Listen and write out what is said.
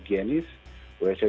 kita harus bikin diri dengan higienis